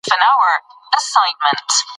ټولنیز بدلونونه ولې منځ ته راځي؟